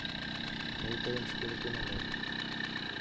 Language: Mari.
— Мый тыйым шке декем наҥгаем.